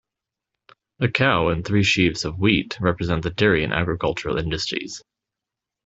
The cow and three sheaves of wheat represent the dairy and agriculture industries.